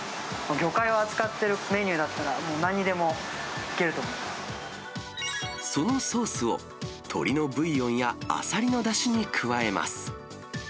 魚介を扱ってるメニューだったら、そのソースを鶏のブイヨンやアサリのだしに加えます。